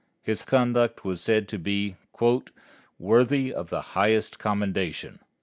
His conduct was said to be "worthy of the highest commendation."